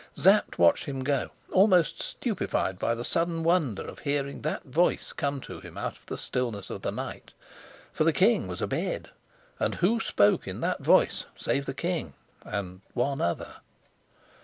Sapt watched him go, almost stupefied by the sudden wonder of hearing that voice come to him out of the stillness of the night. For the king was abed; and who spoke in that voice save the king and one other?